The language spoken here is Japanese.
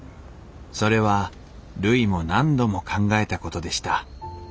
それはるいも何度も考えたことでした。